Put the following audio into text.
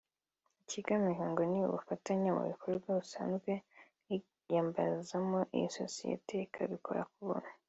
ikigamijwe ngo ni ubufatanye mu bikorwa basanzwe biyambazamo iyi sosiyete ikabikora ku buntu